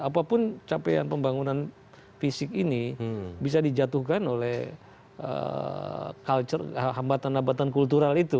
apapun capaian pembangunan fisik ini bisa dijatuhkan oleh culture hambatan hambatan kultural itu